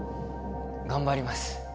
頑張ります